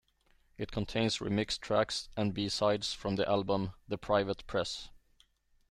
It contains remixed tracks and b-sides from the album "The Private Press".